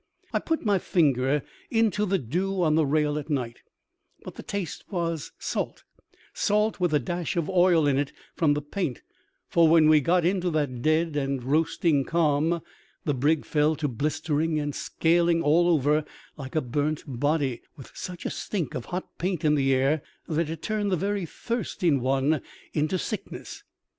I put my finger into the dew on the rail at night, but the taste was salt — salt with a dash of oil in it from the paint; for when we got into that dead and roasting calm the brig fell to blistering and scaling all over like a burnt body, with such a stink of hot paint in the air that i^ turned the very thirst in one into sickness.